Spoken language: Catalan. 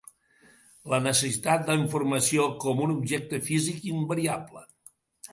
La necessitat d’informació com un objecte físic invariable.